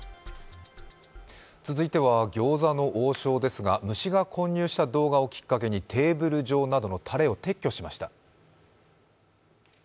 続いては餃子の王将ですが虫が混入した動画をきっかけにテーブル上などのたれを撤去しました。